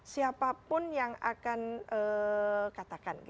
siapapun yang akan katakan